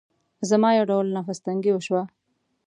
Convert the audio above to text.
زما يو ډول نفس تنګي وشوه.